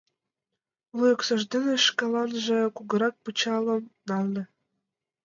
Луй оксаж дене шкаланже кугурак пычалым нале.